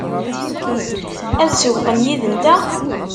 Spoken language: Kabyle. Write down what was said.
Ad sewwqen yid-nteɣ?